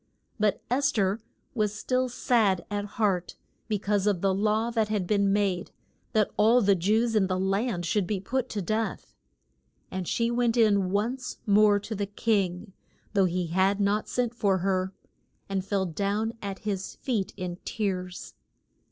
But Es ther was still sad at heart be cause of the law that had been made, that all the Jews in the land should be put to death. And she went in once more to the king though he had not sent for her and fell down at his feet in tears.